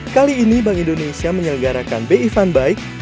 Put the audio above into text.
kali ini bank indonesia menyelenggarakan bi fund bike